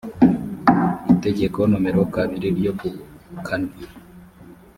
itegeko nomero kabiri ryo ku kane